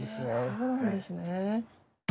そうなんですね。